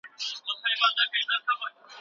که غرونه او سیندونه ولیکل سي نو ذهن کي ژوندي کیږي.